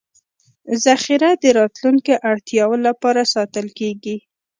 ذخیره د راتلونکو اړتیاوو لپاره ساتل کېږي.